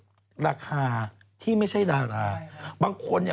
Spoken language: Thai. ของเน็ตไอดอลที่พี่เค้าเรียกว่าดังกันเนี่ย